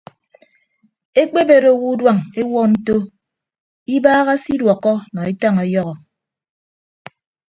Ekpebet owo uduañ ewuọ nto ibaaha se iduọkkọ nọ etañ ọyọhọ.